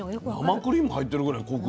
生クリーム入ってるぐらいコクがある。